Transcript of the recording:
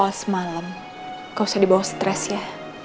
soal semalam kau bisa dibawa stres ya